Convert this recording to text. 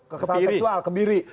kekebalan seksual kebiri